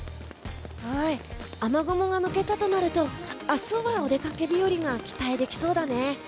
雨雲が抜けたとなると明日はお出かけ日和が期待できそうだね。